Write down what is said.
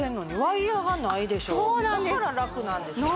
だから楽なんでしょうね